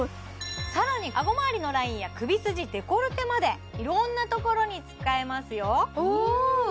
更に顎周りのラインや首筋デコルテまでいろんなところに使えますよお！